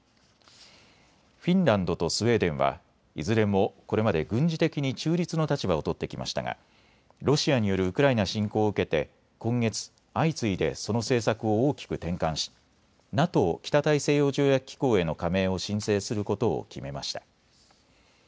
フィンランドとスウェーデンはいずれもこれまで軍事的に中立の立場を取ってきましたがロシアによるウクライナ侵攻を受けて今月、相次いでその政策を大きく転換しＮＡＴＯ・北大西洋条約機構への加盟を申請することを決めました。